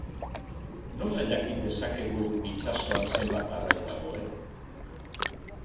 Nola jakin dezakegu itsasoan zenbat arrain dagoen?